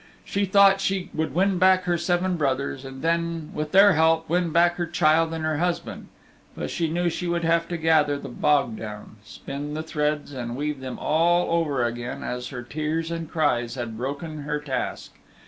She thought she would win back her seven brothers, and then, with their help, win back her child and her husband. But she knew she would have to gather the bog down, spin the threads and weave them all over again, as her tears and cries had broken her task.